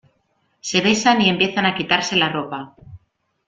Se besan y empiezan a quitarse la ropa.